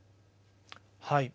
はい。